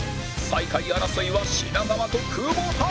最下位争いは品川と久保田